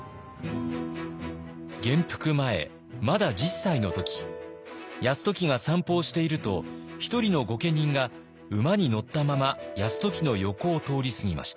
元服前まだ１０歳の時泰時が散歩をしていると一人の御家人が馬に乗ったまま泰時の横を通り過ぎました。